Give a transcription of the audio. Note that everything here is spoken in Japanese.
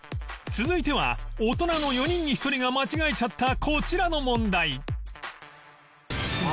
続いては大人の４人に１人が間違えちゃったこちらの問題